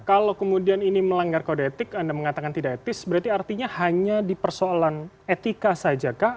kalau kemudian ini melanggar kode etik anda mengatakan tidak etis berarti artinya hanya di persoalan etika saja kah